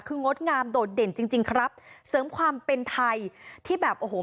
คืองดงามโดดเด่นจริงจริงครับเสริมความเป็นไทยที่แบบโอ้โห